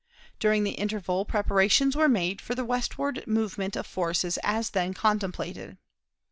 During the interval preparations were made for the westward movement of forces as then contemplated.